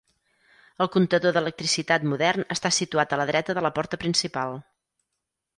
El comptador d'electricitat modern està situat a la dreta de la porta principal.